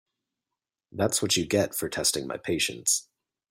That’s what you get for testing my patience.